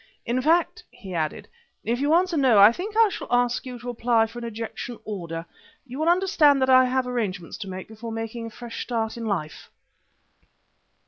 "In fact," he added, "if you answer no, I think I shall ask you to apply for an ejection order. You will understand that I have arrangements to make before taking a fresh start in life."